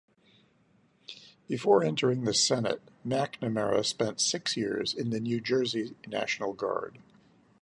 Before entering the Senate, McNamara spent six years in the New Jersey National Guard.